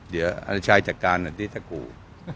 เดี๋ยวอันชายจัดการน่ะที่ถ้าครู